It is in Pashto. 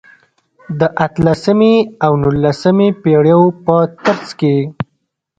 د اتلسمې او نولسمې پېړیو په ترڅ کې.